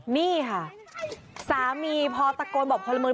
นี่ค่ะสามีพอตะโกนบอกพลเมือง